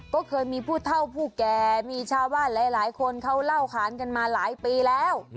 ก็เคยมีผู้เท่าผู้แก่มีชาวบ้านหลายคนเขาเล่าขานกันมาหลายปีแล้ว